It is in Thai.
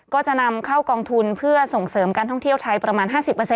ก็จะนำเข้ากองทุนเพื่อส่งเสริมการท่องเที่ยวไทยประมาณ๕๐